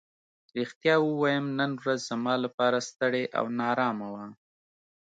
رښتیا ووایم نن ورځ زما لپاره ستړې او نا ارامه وه.